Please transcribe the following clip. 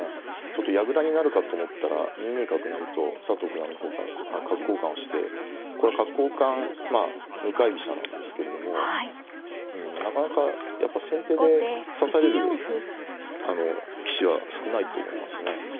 ちょっと矢倉になるかと思ったら２二角成と佐藤九段の方から角交換をしてこれは角交換向かい飛車なんですけれどもうんなかなかやっぱ先手で指される棋士は少ないと思いますね。